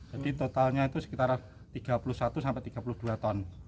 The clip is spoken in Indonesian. totalnya itu sekitar tiga puluh satu sampai tiga puluh dua ton